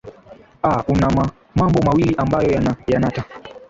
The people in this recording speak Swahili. aa kuna ma mambo mawili ambayo yana yanata